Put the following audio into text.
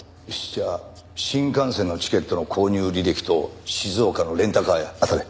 じゃあ新幹線のチケットの購入履歴と静岡のレンタカー屋あたれ。